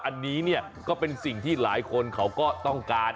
อันนี้เนี่ยก็เป็นสิ่งที่หลายคนเขาก็ต้องการ